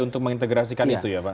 untuk mengintegrasikan itu ya pak